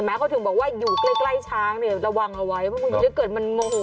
นั่นก็พลังมันเยอะจริงใช่ไหม